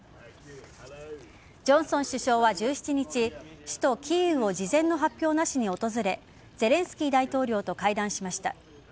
ジョンソン首相は１７日首都・キーウを事前の発表なしに訪れゼレンスキー大統領と会談しました。